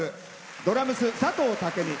ドラムス、佐藤武美。